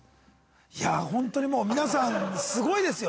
いやホントにもう皆さん凄いですよ！